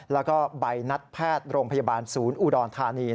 แล้วก็ใบนัดแพทย์โรงพยาบาลศูนย์อุดรธานี